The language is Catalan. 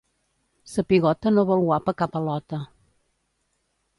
Sa pigota no vol guapa cap al·lota.